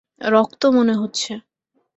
রক্ত মনে হচ্ছে।